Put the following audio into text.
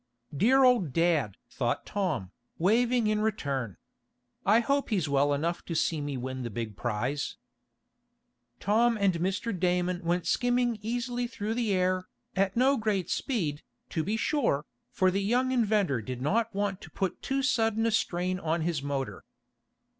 "Dear old dad!" thought Tom, waving in return. "I hope he's well enough to see me win the big prize." Tom and Mr. Damon went skimming easily through the air, at no great speed, to be sure, for the young inventor did not want to put too sudden a strain on his motor.